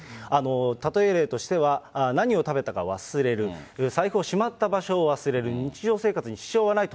たとえ例としては何を食べたか忘れる、財布をしまった場所を忘れる、日常生活に支障はないと。